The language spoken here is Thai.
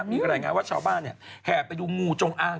มีการแนะงานว่าชาวบ้านเนี่ยแห่ไปดูหมู่จงอาง